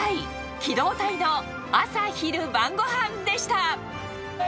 機動隊の朝、昼、晩ごはんでした。